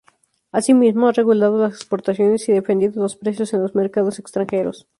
Asimismo, ha regulado las exportaciones y defendido los precios en los mercados extranjeros.